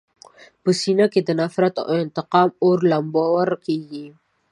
په سینه کې د نفرت او انتقام اور لمبور کېږي.